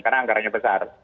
karena anggaranya besar